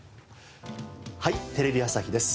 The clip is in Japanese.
『はい！テレビ朝日です』